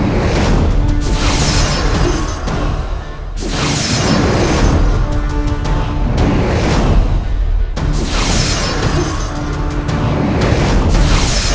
desa perempuan pengecut